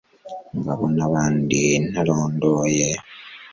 ngo abo n'abandi ntarondoye